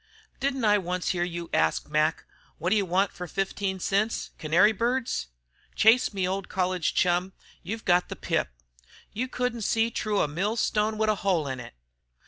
Didn't I once hear you ask Mac, 'Wot you want fer fifteen cents canary birds?' Chase, me old college chum, you've got the pip. You couldn't see tru a mill stone wid a hole in it.